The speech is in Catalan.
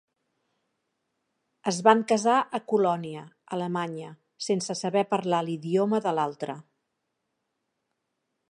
Es van casar a Colònia, Alemanya, sense saber parlar l'idioma de l'altre.